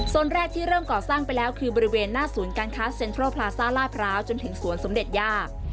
แรกที่เริ่มก่อสร้างไปแล้วคือบริเวณหน้าศูนย์การค้าเซ็นทรัลพลาซ่าลาดพร้าวจนถึงสวนสมเด็จย่า